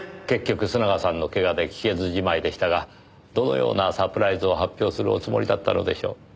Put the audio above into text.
結局須永さんのけがで聞けずじまいでしたがどのようなサプライズを発表するおつもりだったのでしょう？